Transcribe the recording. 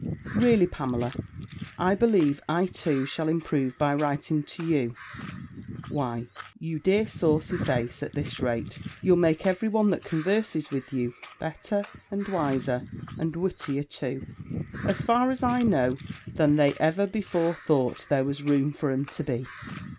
Really, Pamela, I believe, I, too, shall improve by writing to you Why, you dear saucy face, at this rate, you'll make every one that converses with you, better, and wiser, and wittier too, as far as I know, than they ever before thought there was room for 'em to be.